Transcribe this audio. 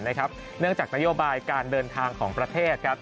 เนื่องจากนโยบายการเดินทางของประเทศ